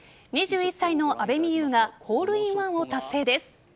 ２１歳の阿部未悠がホールインワンを達成です。